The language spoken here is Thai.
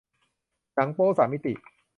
หนังโป๊สามมิติ